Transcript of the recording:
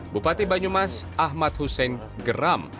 bupati banyumas ahmad hussein geram